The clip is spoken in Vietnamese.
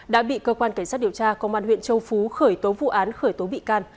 đã bị cơ quan cảnh sát điều tra công an huyện châu phú khởi tố vụ án khởi tố bị can